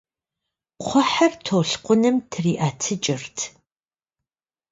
Кхъухьыр толъкъуным триӀэтыкӀырт.